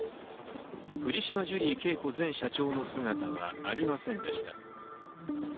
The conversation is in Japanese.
藤島ジュリー景子前社長の姿はありませんでした。